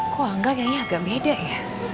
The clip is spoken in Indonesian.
kau anggap kayaknya agak beda ya